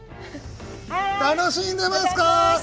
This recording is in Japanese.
楽しんでますか！